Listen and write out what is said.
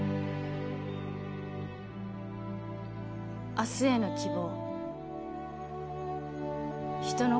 「明日への希望」。